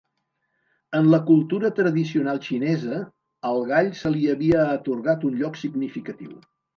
En la cultura tradicional xinesa, al gall se li havia atorgat un lloc significatiu.